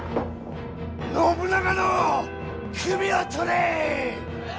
信長の首を取れ！